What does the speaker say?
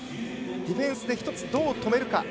ディフェンスで１つどう止めるか。